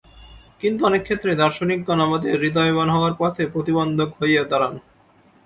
কিন্তু অনেক ক্ষেত্রেই দার্শনিকগণ আমাদের হৃদয়বান হওয়ার পথে প্রতিবন্ধক হইয়া দাঁড়ান।